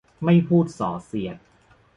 ไม่พูดส่อเสียด